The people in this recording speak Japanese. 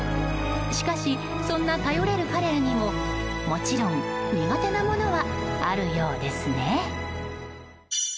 しかし、そんな頼れる彼らにももちろん苦手なものはあるようですね。